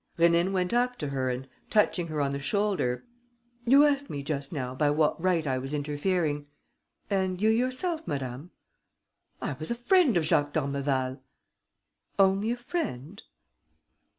Rénine went up to her and, touching her on the shoulder: "You asked me just now by what right I was interfering. And you yourself, madame?" "I was a friend of Jacques d'Ormeval." "Only a friend?"